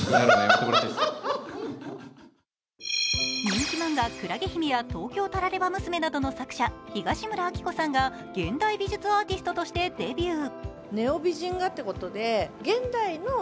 人気漫画「海月姫」や「東京タラレバ娘」などの作者東村アキコさんが現代美術アーティストとしてデビュー。